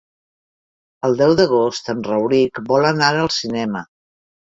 El deu d'agost en Rauric vol anar al cinema.